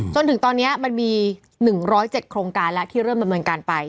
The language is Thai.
จนถึงตอนนี้มันมี๑๐๗โครงการแล้วที่เริ่มดำเนินการไป